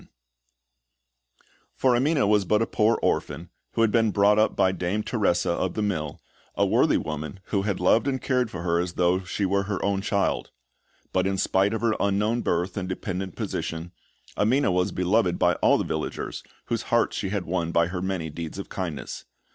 [Illustration: BELLINI] For Amina was but a poor orphan, who had been brought up by Dame Teresa of the Mill, a worthy woman who had loved and cared for her as though she were her own child; but in spite of her unknown birth and dependent position, Amina was beloved by all the villagers, whose hearts she had won by her many deeds of kindness.